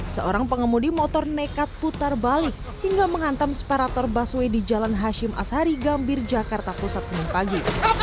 seorang pengemudi motor nekat putar balik hingga menghantam separator busway di jalan hashim ashari gambir jakarta pusat senin pagi